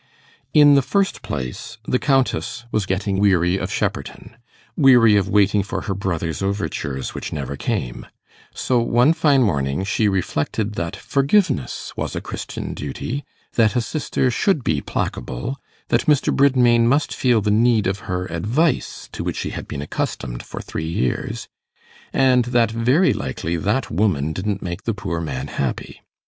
In the first place, the Countess was getting weary of Shepperton weary of waiting for her brother's overtures which never came; so, one fine morning, she reflected that forgiveness was a Christian duty, that a sister should be placable, that Mr. Bridmain must feel the need of her advice, to which he had been accustomed for three years, and that very likely 'that woman' didn't make the poor man happy.